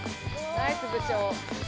ナイス部長。